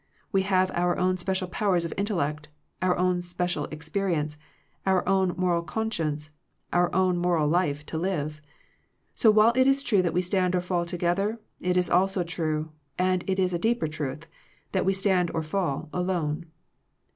We have our own special powers of intellect, our own special experience, our own moral con science, our own moral life to live. So, while it is true that we stand or fall to gether, it is also true — and it is a deeper truth — ^that we stand or fall alone.